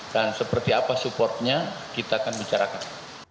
dan seperti apa supportnya kita akan bicarakan